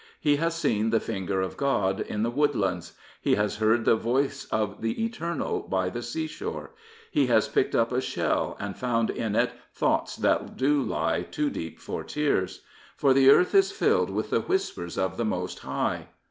He has seen the finger of God in the woodlands. He has heard the voice of the eternal by the sea shore. He has picked up a shell, and found in it thoughts that do lie too deep for tears. For the earth is filled with the whispers of the Most High.